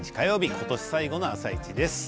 今年、最後の「あさイチ」です。